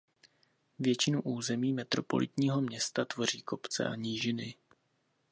Většinu území metropolitního města tvoří kopce a nížiny.